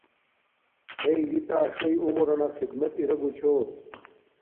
ہݵئ رݵ تݳ ݳݽݵئ عمرَنݳ خدمت ارݵگُچھݸت.